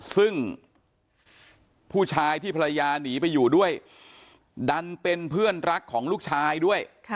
ซึ่งผู้ชายที่ภรรยาหนีไปอยู่ด้วยดันเป็นเพื่อนรักของลูกชายด้วย